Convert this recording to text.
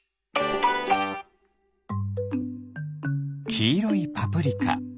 きいろいパプリカ。